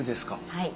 はい。